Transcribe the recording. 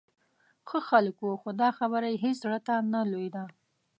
ښه خلک و، خو دا خبره یې هېڅ زړه ته نه لوېده.